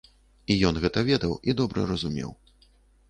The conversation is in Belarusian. І ён гэта ведаў і добра разумеў.